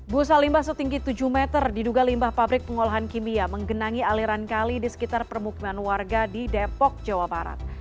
busa limbah setinggi tujuh meter diduga limbah pabrik pengolahan kimia menggenangi aliran kali di sekitar permukiman warga di depok jawa barat